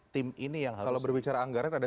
tim ini yang kalau berbicara anggaran ada